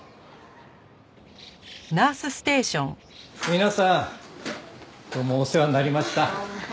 皆さんどうもお世話になりました。